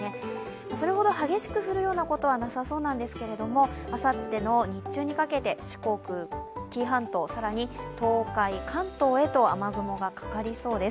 それほど激しく降るようなことはなさそうなんですけれども、あさっての日中にかけて、四国、紀伊半島、更に東海、関東へと雨雲がかかりそうです。